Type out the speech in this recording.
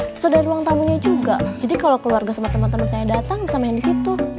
terus ada ruang tamunya juga jadi kalau keluarga sama teman teman saya datang bisa main di situ